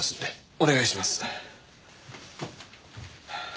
お願いします。